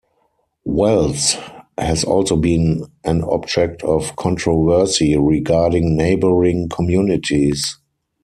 Wells has also been an object of controversy regarding neighbouring communities.